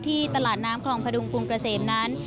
ที่ตลาดน้ำคลองพระดุงกรุงประเสมนั้น